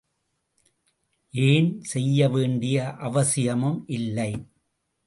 ஏன், செய்ய வேண்டிய அவசியமும் இல்லை!